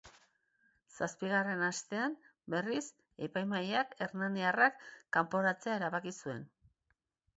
Zazpigarren astean, berriz, epaimahaiak hernaniarrak kanporatzea erabaki zuen.